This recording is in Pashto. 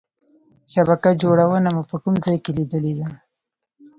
شبکه جوړونه مو په کوم ځای کې لیدلې ده؟